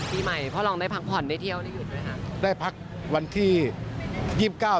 ปีใหม่พ่อรองได้พักผ่อนได้เที่ยวได้หยุดไหมคะ